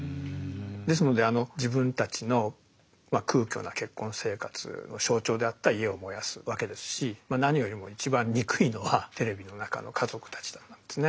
ですので自分たちの空虚な結婚生活の象徴であった家を燃やすわけですし何よりも一番憎いのはテレビの中の「家族」たちなんですね。